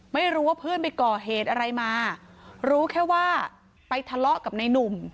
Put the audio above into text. ไม่รู้ว่าเพื่อนไปก่อเหตุอะไรมารู้แค่ว่าไปทะเลาะกับในหนุ่ม